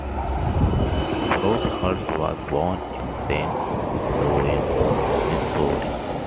Broadhurst was born in Saint Louis, Missouri.